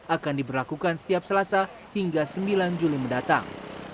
akan diberlakukan setiap selasa hingga sembilan juli mendatang